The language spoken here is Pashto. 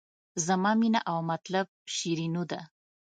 زما مینه او مطلب شیرینو ده.